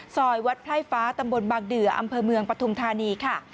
ซอยวัดไพร่ฟ้าตำบลบางเดืออำเภอเมืองปฐุมธานีค่ะ